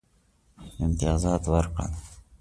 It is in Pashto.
امتیازات ورکړل.